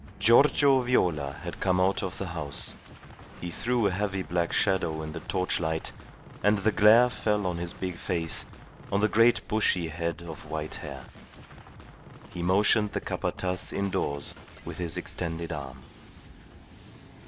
Giorgio Viola had come out of the house. He threw a heavy black shadow in the torchlight, and the glare fell on his big face, on the great bushy head of white hair. He motioned the Capataz indoors with his extended arm.